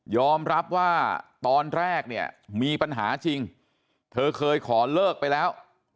อมรับว่าตอนแรกเนี่ยมีปัญหาจริงเธอเคยขอเลิกไปแล้ว